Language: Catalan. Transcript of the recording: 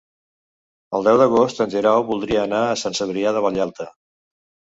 El deu d'agost en Guerau voldria anar a Sant Cebrià de Vallalta.